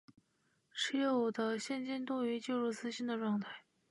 持有的现金多于借入资金的状态